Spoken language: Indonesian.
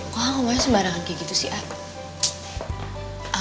kok kamu ngomongnya sembarangan kayak gitu sih aa